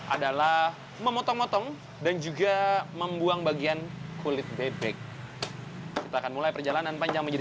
adalah memotong motong dan juga membuang bagian kulit bebek kita akan mulai perjalanan panjang menjadi